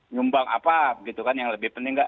nyumbang apa gitu kan yang lebih penting nggak